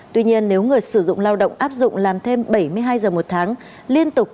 tuy nhiên nếu người sử dụng lao động áp dụng làm thêm bảy mươi hai giờ một tháng liên tục